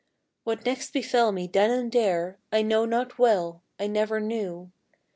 What next befell me then and there I know not well I never knew.